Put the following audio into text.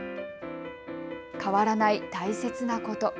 変わらない、大切なこと。